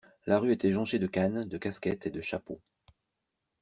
La rue était jonchée de cannes, de casquettes et de chapeaux.